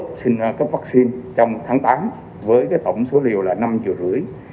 tổ chức tiêm được bốn một triệu liều vaccine trong tháng tám với tổng số liều là năm năm triệu liều